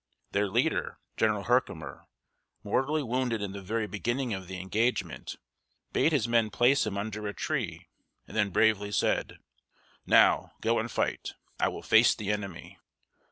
Their leader, General Her´ki mer, mortally wounded in the very beginning of the engagement, bade his men place him under a tree, and then bravely said: "Now, go and fight. I will face the enemy."